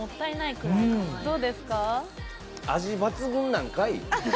味抜群なんかい。